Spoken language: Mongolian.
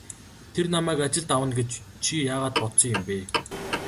Тэр намайг ажилд авна гэж чи яагаад бодсон юм бэ?